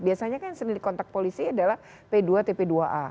biasanya kan yang sering dikontak polisi adalah p dua tp dua a